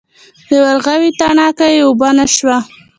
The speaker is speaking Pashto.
د ورغوي تڼاکه یې اوبه نه شوه.